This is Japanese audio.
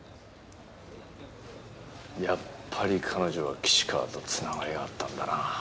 やっぱり彼女は岸川とつながりがあったんだな